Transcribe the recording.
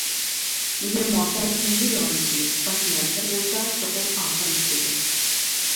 مېھىر-مۇھەببەت مەڭگۈ داۋاملىشىدۇ، باشقا نەرسىلەر بولسا چوقۇم ئاخىرلىشىدۇ.